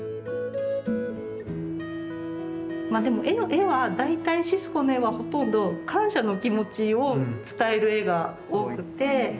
絵は大体シスコの絵はほとんど感謝の気持ちを伝える絵が多くて。